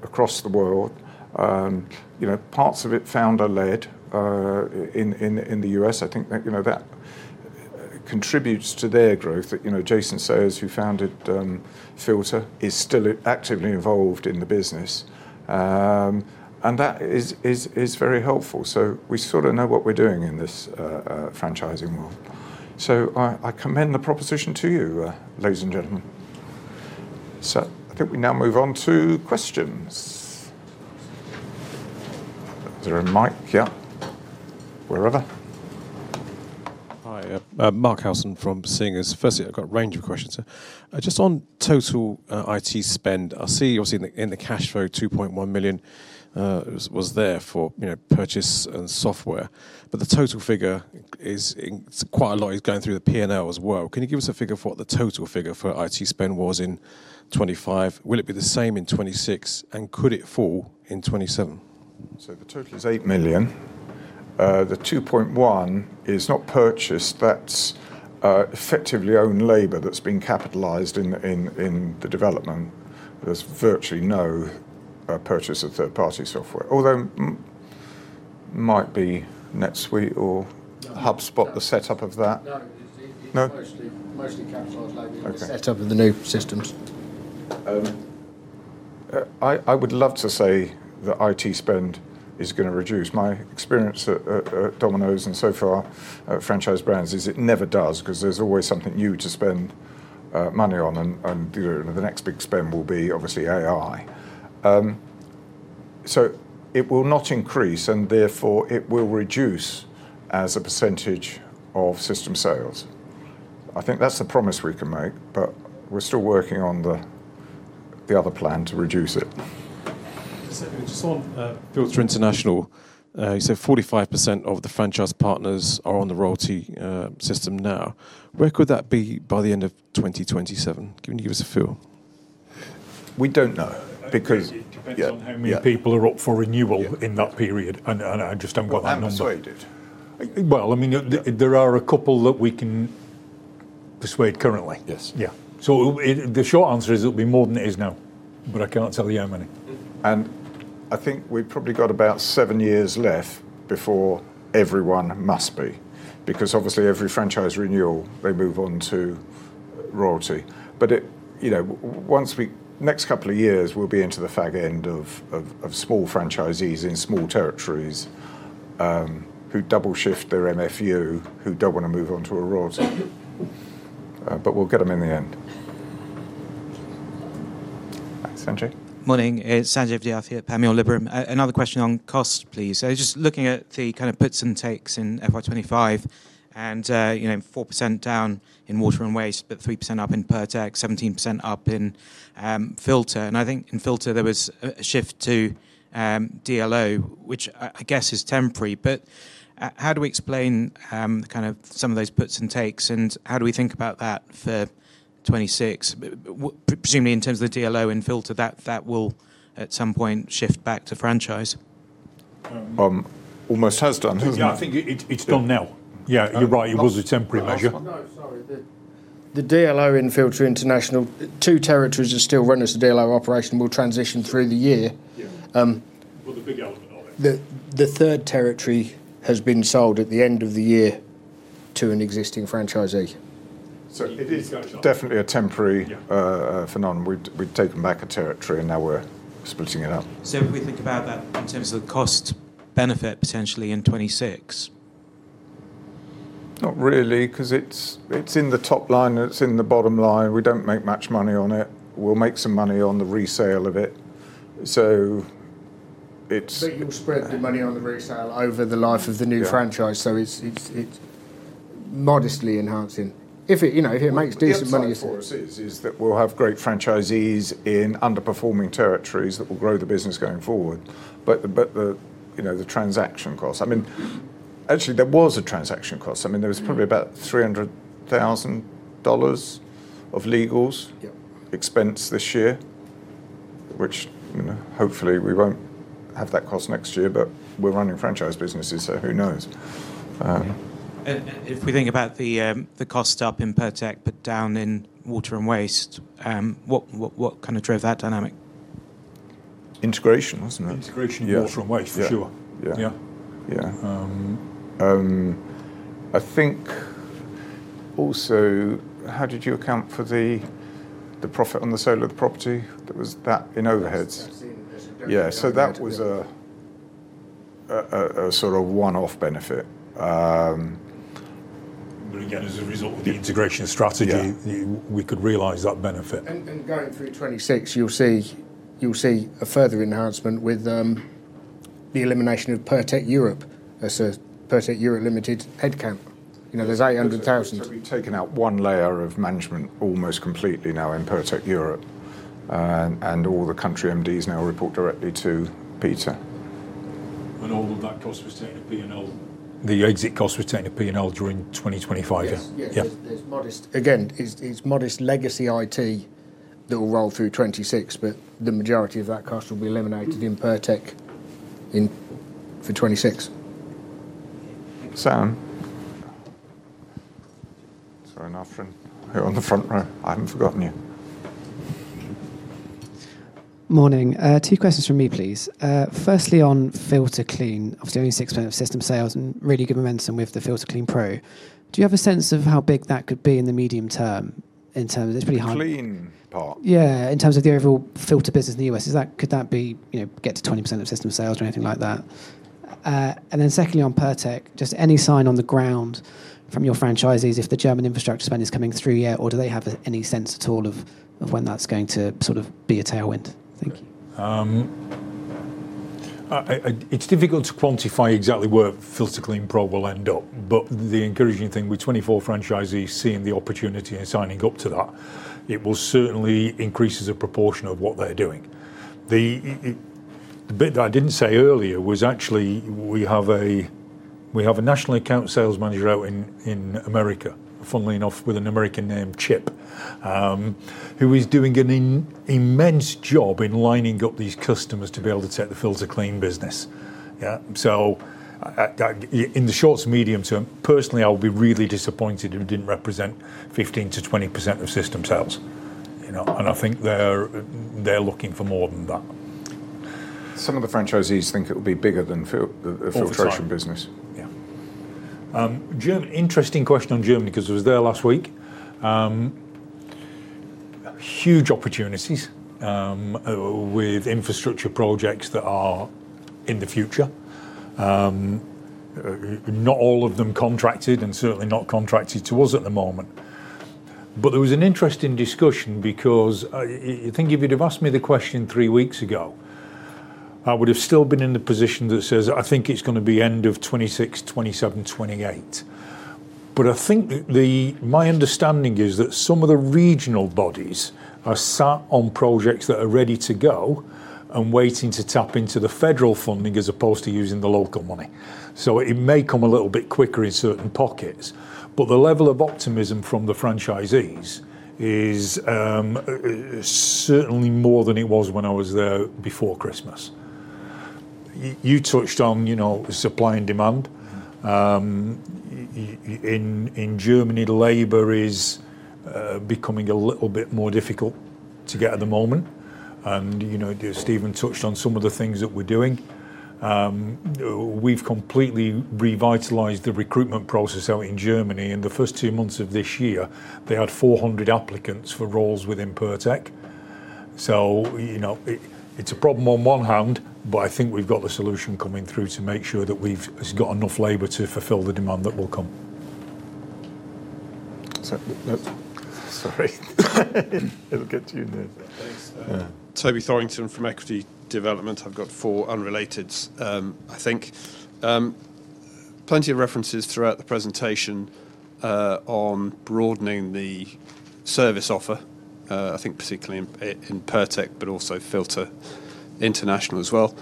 across the world. You know, parts of it founder-led in the U.S. I think that, you know, that contributes to their growth, that, you know, Jason Sayers, who founded Filta, is still actively involved in the business, and that is very helpful. We sort of know what we're doing in this franchising world. I commend the proposition to you, ladies and gentlemen. I think we now move on to questions. Is there a mic? Yeah. Wherever. Hi. [Marc Helsen] from [Singer]. Firstly, I've got a range of questions. Just on total IT spend, I see obviously in the cash flow 2.1 million was there for, you know, purchase and software. The total figure is quite a lot is going through the P&L as well. Can you give us a figure for what the total figure for IT spend was in 2025? Will it be the same in 2026, and could it fall in 2027? The total is 8 million. The 2.1 million is not purchased. That's effectively own labor that's been capitalized in the development. There's virtually no purchase of third-party software. Although might be NetSuite or HubSpot, the setup of that. No. It's mostly. No? Mostly capitalized labor. Okay. In the set up of the new systems. I would love to say that IT spend is gonna reduce. My experience at Domino's and so far at Franchise Brands is it never does 'cause there's always something new to spend money on, and you know, the next big spend will be obviously AI. It will not increase, and therefore it will reduce as a percentage of system sales. I think that's the promise we can make, but we're still working on the other plan to reduce it. Just on Filta International, you said 45% of the franchise partners are on the royalty system now. Where could that be by the end of 2027? Can you give us a feel? We don't know because. It depends on how many people are up for renewal in that period. I just haven't got that number. Well, I haven't swayed it. Well, I mean, there are a couple that we can persuade currently. Yes. Yeah. The short answer is it'll be more than it is now, but I cannot tell you how many. I think we've probably got about seven years left before everyone must be, because obviously every franchise renewal, they move on to royalty. You know, next couple of years, we'll be into the fag end of small franchisees in small territoriesm, who double shift their MFU, who don't wanna move on to a royalty, but we'll get 'em in the end. Sanjay? Morning. It's Sanjay Vidyarthi here, Panmure Liberum. Another question on cost, please. Just looking at the kind of puts and takes in FY 2025 and, you know, 4% down in Water & Waste, but 3% up in Pirtek, 17% up in Filta. I think in Filta there was a shift to DLO, which I guess is temporary. How do we explain some of those puts and takes, and how do we think about that for 2026? Presumably in terms of the DLO in Filta, that will at some point shift back to franchise. Almost has done, hasn't it? Yeah, I think it's done now. Yeah, you're right. It was a temporary measure. No, sorry. The DLO in Filta International, two territories are still running as a DLO operation will transition through the year. Yeah. Well, the big element of it. The third territory has been sold at the end of the year to an existing franchisee. It is definitely a temporary. Yeah. Phenomenon. We'd taken back a territory, and now we're splitting it up. If we think about that in terms of cost benefit potentially in 2026. Not really, 'cause it's in the top line, it's in the bottom line. We don't make much money on it. We'll make some money on the resale of it. It's. You'll spread the money on the resale over the life of the new franchise. Yeah. It's modestly enhancing. If it, you know, makes decent money, it's The upside for us is that we'll have great franchisees in underperforming territories that will grow the business going forward. The, you know, the transaction costs. I mean, actually, there was a transaction cost. I mean, there was probably about $300,000 of legals. Yeah Expense this year, which, you know, hopefully we won't have that cost next year, but we're running franchise businesses, so who knows? If we think about the cost up in Pirtek, but down in Water & Waste, what kinda drove that dynamic? Integration, wasn't it? Integration of Water & Waste, for sure. Yeah. Yeah. Yeah. I think also, how did you account for the profit on the sale of the property? There was that in overheads. I've seen there's a- Yeah. That was a sort of one-off benefit. Again, as a result of the integration strategy. Yeah We could realize that benefit. Going through 2026, you'll see a further enhancement with the elimination of Pirtek Europe as a Pirtek Europe Ltd head count. You know, there's 800,000- We've taken out one layer of management almost completely now in Pirtek Europe, and all the country MDs now report directly to Peter. All of that cost was taken to P&L. The exit cost was taken to P&L during 2025, yeah. Yes. Yeah. There's modest legacy IT that will roll through 2026, but the majority of that cost will be eliminated in Pirtek for 2026. Sam. Sorry, now from here on the front row. I haven't forgotten you. Morning. Two questions from me, please. Firstly, on FiltaClean, obviously only 6% of system sales and really good momentum with the FiltaClean Pro. Do you have a sense of how big that could be in the medium term, in terms of it's pretty hard- The clean part? Yeah. In terms of the overall Filta business in the U.S. Could that be, you know, get to 20% of system sales or anything like that? And then secondly, on Pirtek, just any sign on the ground from your franchisees if the German infrastructure spend is coming through yet, or do they have any sense at all of when that's going to sort of be a tailwind? Thank you. It's difficult to quantify exactly where FiltaClean Pro will end up, but the encouraging thing with 24 franchisees seeing the opportunity and signing up to that, it will certainly increase as a proportion of what they're doing. The bit that I didn't say earlier was actually we have a national account sales manager out in America, funnily enough, with an American name, Chip, who is doing an immense job in lining up these customers to be able to take the FiltaClean business. Yeah. So at that, in the short to medium term, personally I'll be really disappointed if it didn't represent 15%-20% of system sales, you know. I think they're looking for more than that. Some of the franchisees think it'll be bigger than Filta- All the time. the filtration business. Yeah. Interesting question on Germany, because I was there last week. Huge opportunities with infrastructure projects that are in the future. Not all of them contracted and certainly not contracted to us at the moment. There was an interesting discussion because, think if you'd have asked me the question three weeks ago, I would have still been in the position that says, I think it's gonna be end of 2026, 2027, 2028. I think my understanding is that some of the regional bodies are sat on projects that are ready to go and waiting to tap into the federal funding as opposed to using the local money. It may come a little bit quicker in certain pockets. The level of optimism from the franchisees is certainly more than it was when I was there before Christmas. You touched on, you know, supply and demand. In Germany, labor is becoming a little bit more difficult to get at the moment. You know, Stephen touched on some of the things that we're doing. We've completely revitalized the recruitment process out in Germany. In the first two months of this year, they had 400 applicants for roles within Pirtek. You know, it's a problem on one hand, but I think we've got the solution coming through to make sure that we've got enough labor to fulfill the demand that will come. Sorry. It'll get to you next. Thanks. Yeah. Toby Thorrington from Equity Development. I've got four unrelateds, I think. Plenty of references throughout the presentation on broadening the service offer, I think particularly in Pirtek, but also Filta International as well.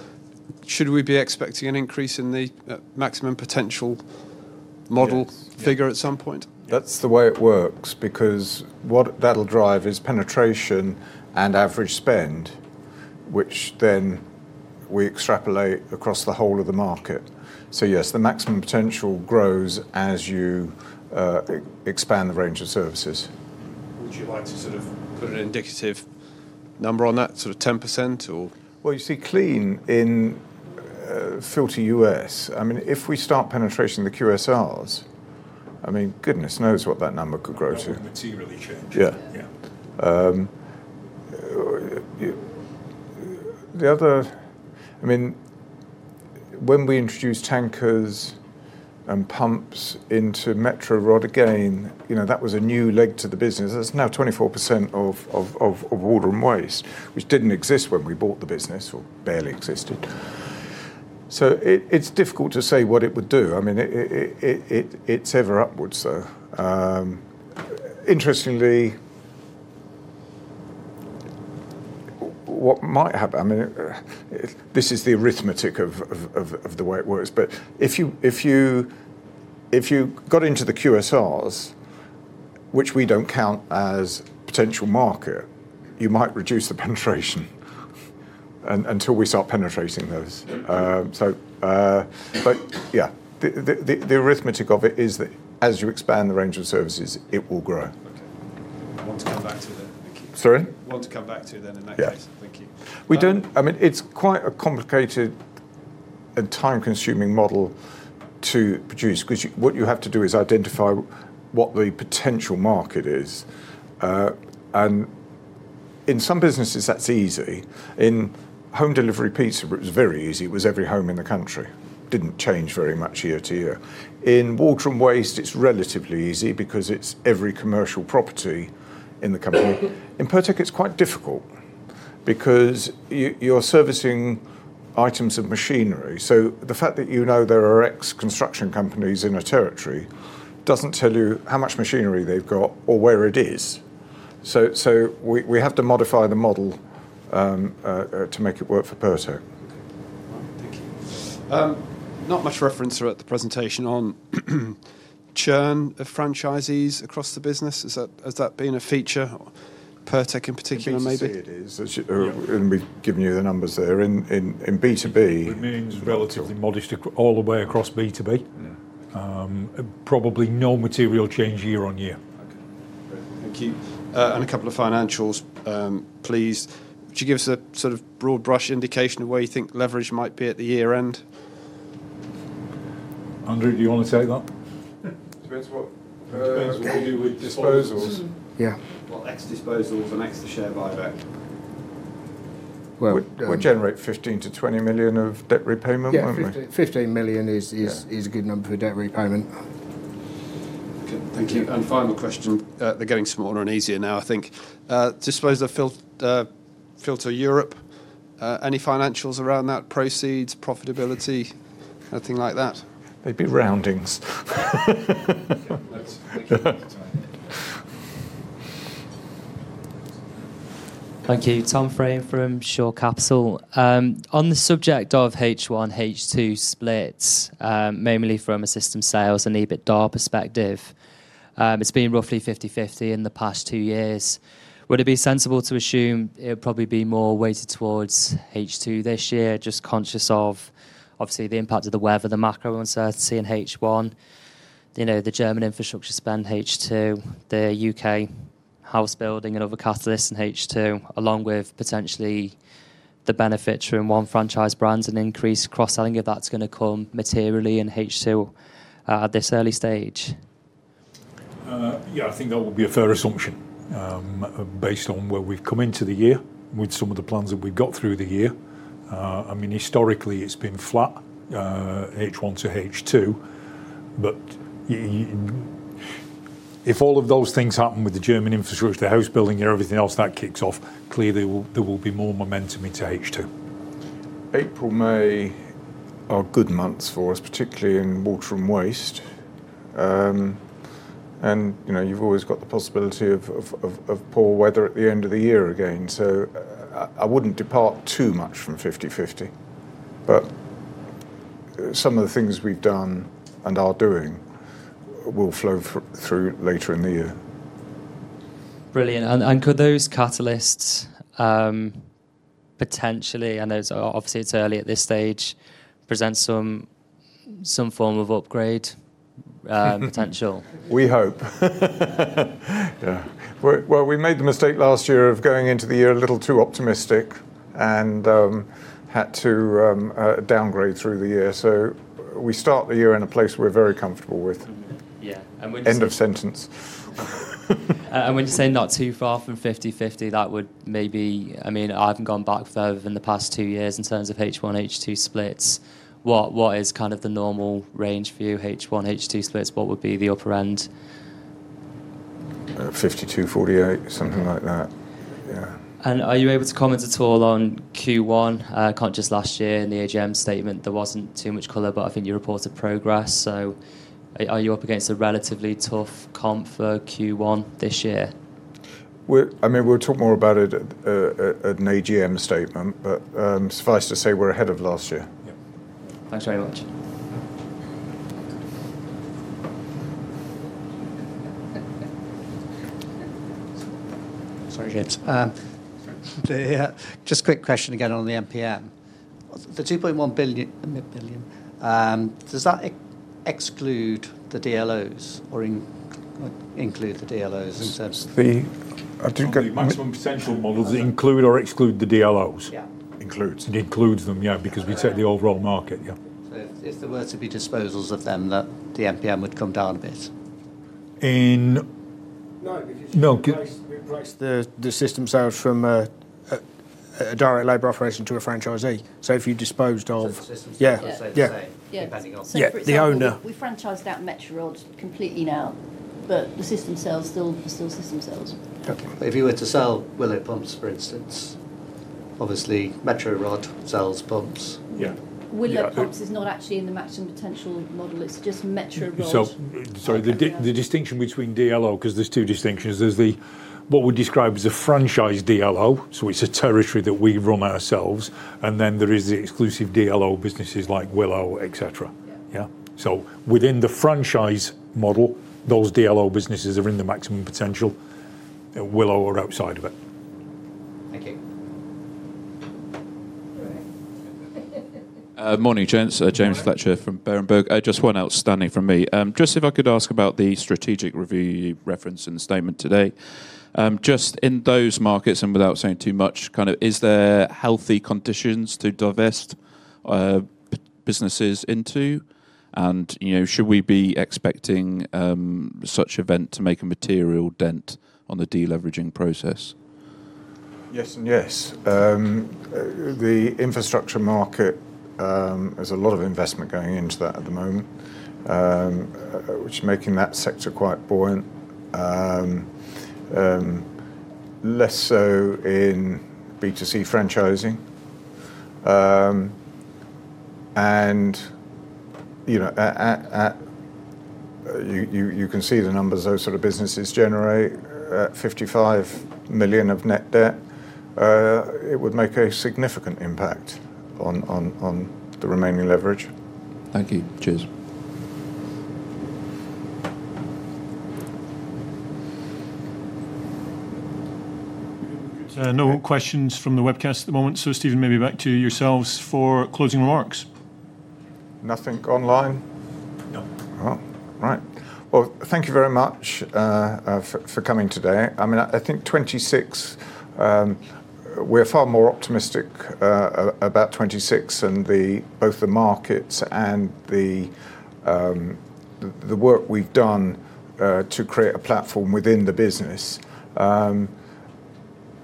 Should we be expecting an increase in the Maximum Potential Model? Yes. Figure at some point? That's the way it works, because what that'll drive is penetration and average spend, which then we extrapolate across the whole of the market. Yes, the maximum potential grows as you expand the range of services. Would you like to sort of put an indicative number on that? Sort of 10% or? Well, you see, cleaning in Filta U.S., I mean, if we start penetrating the QSRs, I mean, goodness knows what that number could grow to. That would materially change. Yeah. Yeah. I mean, when we introduced tankers and pumps into Metro Rod, again, you know, that was a new leg to the business. That's now 24% of Water & Waste, which didn't exist when we bought the business or barely existed. It's difficult to say what it would do. I mean, it's ever upwards, though. Interestingly, what might happen, I mean, this is the arithmetic of the way it works. If you got into the QSRs, which we don't count as potential market, you might reduce the penetration until we start penetrating those. Yeah, the arithmetic of it is that as you expand the range of services, it will grow. Okay. One to come back to then, thank you. Sorry? One to come back to, then, in that case. Yeah. Thank you. I mean, it's quite a complicated and time-consuming model to produce, because what you have to do is identify what the potential market is. In some businesses, that's easy. In home delivery pizza, it was very easy. It was every home in the country. Didn't change very much year to year. In Water & Waste, it's relatively easy because it's every commercial property in the country. In Pirtek, it's quite difficult because you're servicing items of machinery. The fact that you know there are X construction companies in a territory doesn't tell you how much machinery they've got or where it is. We have to modify the model to make it work for Pirtek. Okay. All right. Thank you. Not much reference throughout the presentation on churn of franchisees across the business. Has that been a feature? Pirtek in particular, maybe. You can see it is. We've given you the numbers there. In B2B- Remains relatively modest all the way across B2B. Mm-hmm. Probably no material change year-on-year. Okay. Great. Thank you. A couple of financials, please. Could you give us a sort of broad brush indication of where you think leverage might be at the year-end? Andrew, do you wanna take that? Depends what we do with disposals. Yeah. Well, ex disposals and ex the share buyback. We generate 15 million-20 million of debt repayment, won't we? Yeah, 15 million is a good number for debt repayment. Okay. Thank you. Final question. They're getting smaller and easier now, I think. Disposal of Filta Europe, any financials around that? Proceeds, profitability, anything like that? They'd be roundings. Okay. Let's make sure we get the time. Thank you. Tom Frame from Shore Cap. On the subject of H1, H2 splits, mainly from a system sales and EBITDA perspective, it's been roughly 50/50 in the past two years. Would it be sensible to assume it would probably be more weighted towards H2 this year? Just conscious of obviously the impact of the weather, the macro uncertainty in H1, you know, the German infrastructure spend H2, the U.K. house building and other catalysts in H2, along with potentially the benefit from One Franchise Brands and increased cross-selling, if that's gonna come materially in H2, at this early stage. Yeah, I think that would be a fair assumption, based on where we've come into the year with some of the plans that we've got through the year. I mean, historically, it's been flat, H1 to H2. If all of those things happen with the German infrastructure, house building and everything else that kicks off, clearly, there will be more momentum into H2. April, May are good months for us, particularly in Water & Waste. You know, you've always got the possibility of poor weather at the end of the year again. I wouldn't depart too much from 50/50. Some of the things we've done and are doing will flow through later in the year. Brilliant. Could those catalysts potentially, I know it's, obviously it's early at this stage, present some form of upgrade potential? We hope. Yeah. Well, we made the mistake last year of going into the year a little too optimistic and had to downgrade through the year. We start the year in a place we're very comfortable with. Mm-hmm. Yeah. When you say- End of sentence. When you say not too far from 50/50, that would maybe I mean, I haven't gone back further than the past two years in terms of H1, H2 splits. What is kind of the normal range for you, H1, H2 splits? What would be the upper end? 52/48, something like that. Yeah. Are you able to comment at all on Q1? Conscious last year in the AGM statement, there wasn't too much color, but I think you reported progress. Are you up against a relatively tough comp for Q1 this year? I mean, we'll talk more about it at an AGM statement. Suffice to say, we're ahead of last year. Yeah. Thanks very much. Sorry, gents. Just a quick question again on the MPM. The 2.1 billion, does that exclude the DLOs or include the DLOs in terms of- I think- Maximum Potential Models include or exclude the DLOs? Yeah. Includes. It includes them, yeah, because we take the overall market, yeah. If there were to be disposals of them, the MPM would come down a bit? In- No, because you replace. No, 'ca- you replace the system sales from a direct labor operation to a franchisee. If you disposed of The system sales would stay the same. Yeah, yeah. Depending on- Yeah. The owner. For example, we franchised out Metro Rod completely now, but the system sales still are system sales. Okay. If you were to sell Willow Pumps, for instance, obviously Metro Rod sells pumps. Yeah. Willow Pumps is not actually in the Maximum Potential Model. It's just Metro Rod. Sorry, the distinction between DLO, 'cause there's two distinctions. There's what we describe as a franchise DLO, so it's a territory that we run ourselves, and then there is the exclusive DLO businesses like Willow, et cetera. Yeah. Yeah. Within the franchise model, those DLO businesses are in the maximum potential, and Willow are outside of it. Thank you. Morning, gents. Morning. James Fletcher from Berenberg. Just one outstanding from me. Just if I could ask about the strategic review you referenced in the statement today. Just in those markets, and without saying too much, kind of is there healthy conditions to divest businesses into? And, you know, should we be expecting such event to make a material dent on the de-leveraging process? Yes and yes. The infrastructure market, there's a lot of investment going into that at the moment, which is making that sector quite buoyant. Less so in B2C franchising. You know, you can see the numbers those sort of businesses generate, 55 million of net debt. It would make a significant impact on the remaining leverage. Thank you. Cheers. No more questions from the webcast at the moment. Stephen, maybe back to yourselves for closing remarks. Nothing online? No. Oh, right. Well, thank you very much for coming today. I mean, I think 2026, we're far more optimistic about 2026 and both the markets and the work we've done to create a platform within the business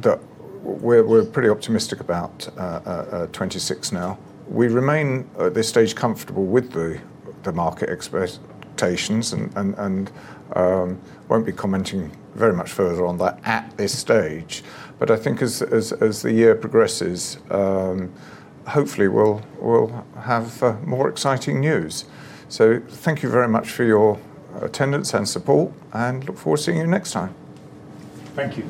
that we're pretty optimistic about 2026 now. We remain at this stage comfortable with the market expectations and won't be commenting very much further on that at this stage. I think as the year progresses, hopefully we'll have more exciting news. Thank you very much for your attendance and support, and look forward to seeing you next time. Thank you.